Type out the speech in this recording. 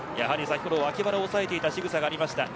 脇腹を押さえていたしぐさがありました。